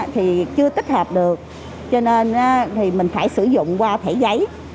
thì chưa tích hợp được cho nên thì mình phải sử dụng qua thẻ giấy